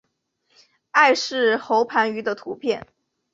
艾氏喉盘鱼的图片